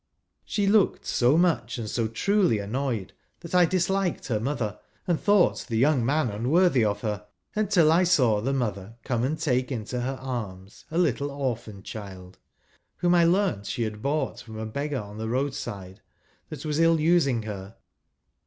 She looked so much and so truly annoyed that I disliked her mother, and thought the young man unworthy of her, until I saw the mother come and take into her arms a little oi'phan child, whom I leai'nt she had bought from a beggar on the road side that was ill using her.